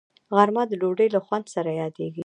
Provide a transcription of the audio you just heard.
غرمه د ډوډۍ له خوند سره یادیږي